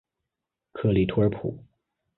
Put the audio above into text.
克利图尔普。